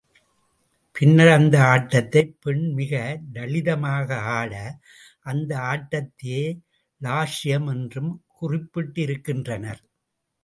பின்னர் அந்த ஆட்டத்தையே பெண் மிக லளிதமாக ஆட, அந்த ஆட்டத்தையே லாஸ்யம் என்றும் குறிப்பிட்டிருக்கின்றனர்.